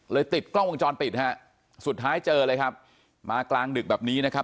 ติดกล้องวงจรปิดฮะสุดท้ายเจอเลยครับมากลางดึกแบบนี้นะครับ